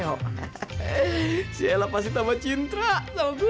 hehehehe si ella pasti tambah cintra sama gue